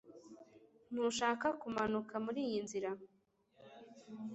Ntushaka kumanuka muriyi nzira